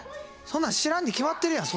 そんなん知らんに決まってるやん。